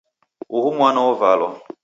Uhu mwana wovalwa .